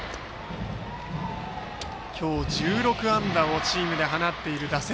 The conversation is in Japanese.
今日１６安打をチームで放っている打線。